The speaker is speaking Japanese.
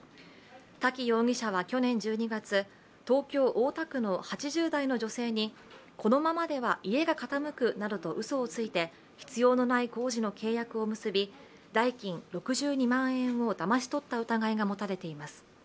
滝容疑者は去年１２月、東京・大田区の８０代の女性にこのままでは家が傾くなどとうそをついて、必要のない工事の契約を結び、代金６２万円をだまし取った疑いが持たれています。